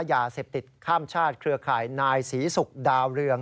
ยาเสพติดข้ามชาติเครือข่ายนายศรีศุกร์ดาวเรือง